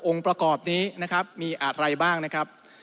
๖องค์ประกอบนี้มีอะไรบ้างนะครับ